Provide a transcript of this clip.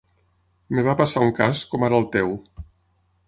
Em va passar un cas com ara el teu.